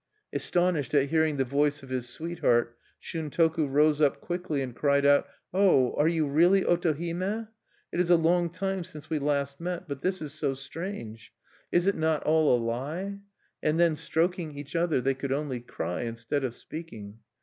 Astonished at hearing the voice of his sweet heart, Shuntoku rose up quickly, and cried out: "Oh! are you really Otohime? It is a long time since we last met but this is so strange! Is it not all a lie?" And then, stroking each other, they could only cry, instead of speaking.